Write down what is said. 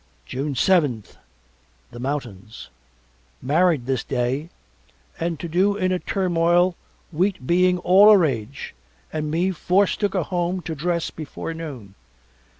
June seventh (the Mountains) Married this day and to do in a turmoil wheat being all a rage and me forced to go home to dress before noon.